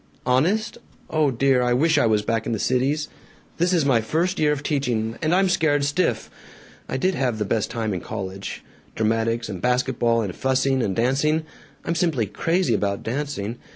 "Honest? Oh dear, I wish I was back in the Cities! This is my first year of teaching, and I'm scared stiff. I did have the best time in college: dramatics and basket ball and fussing and dancing I'm simply crazy about dancing.